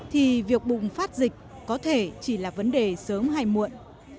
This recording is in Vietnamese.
thì việc bùng phát dịch có thể chỉ là vấn đề sớm hay muộn